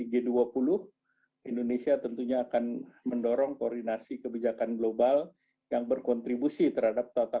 g dua puluh indonesia tentunya akan mendorong koordinasi kebijakan global yang berkontribusi terhadap tata